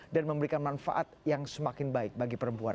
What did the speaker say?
memberikan manfaat yang semakin baik bagi perempuan